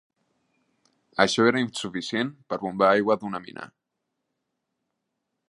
Això era insuficient per bombar aigua d'una mina.